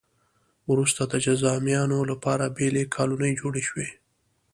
وروسته د جذامیانو لپاره بېلې کالونۍ جوړې شوې.